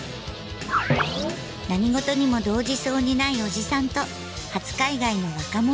何事にも動じそうにないおじさんと初海外の若者。